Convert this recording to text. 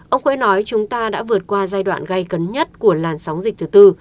ông khoe nói chúng ta đã vượt qua giai đoạn gây cấn nhất của làn sóng dịch thứ tư